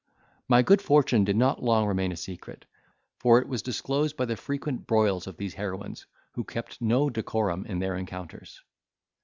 My good fortune did not long remain a secret; for it was disclosed by the frequent broils of these heroines, who kept no decorum in their encounters.